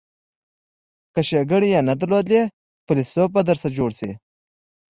که ښیګڼې یې نه درلودلې فیلسوف به درنه جوړ شي.